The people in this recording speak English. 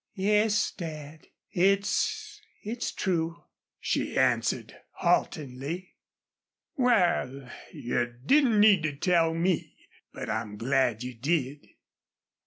"Yes, Dad it's it's true," she answered, haltingly. "Wal, you didn't need to tell me, but I'm glad you did."